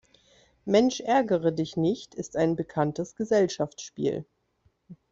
Mensch-Ärgere-Dich-nicht ist ein bekanntes Gesellschaftsspiel.